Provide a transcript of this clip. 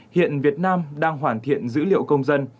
hiện việt nam đang hoàn thiện dữ liệu công dân